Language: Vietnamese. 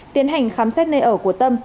tiến hành khám xét nơi ở của tâm